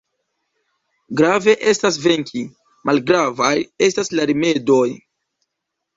Grave estas venki, malgravaj estas la rimedoj.